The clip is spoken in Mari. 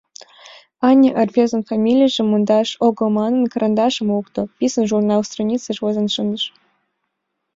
Аня, рвезын фамилийжым мондаш огыл манын, карандашым лукто, писын журнал страницеш возен шындыш.